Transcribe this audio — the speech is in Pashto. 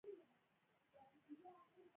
امیدوار د خدای له فضله شه اې یونسه.